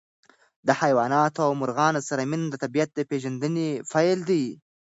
د حیواناتو او مرغانو سره مینه د طبیعت د پېژندنې پیل دی.